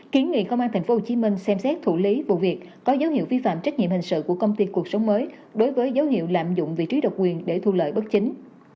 kiến nghị công an tp hcm xem xét thủ lý vụ việc có dấu hiệu vi phạm trách nhiệm hình sự của công ty cuộc sống mới đối với dấu hiệu lạm dụng vị trí độc quyền để thu lợi bất chính